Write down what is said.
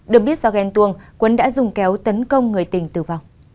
được biết do ghen tuông quấn đã dùng kéo tấn công người tình tử vong